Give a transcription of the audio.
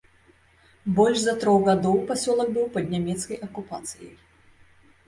Больш за трох гадоў пасёлак быў пад нямецкай акупацыяй.